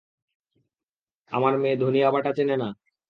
আমার মেয়ে ধনিয়া বাটা চেনে না?